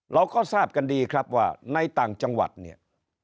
เราก็ทราบกันดีครับว่าในต่างจังหวัดเนี่ย